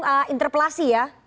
tidak mendukung interpelasi ya